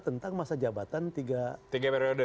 tentang masa jabatan tiga periode